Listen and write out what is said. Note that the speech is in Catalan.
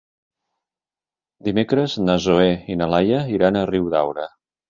Dimecres na Zoè i na Laia iran a Riudaura.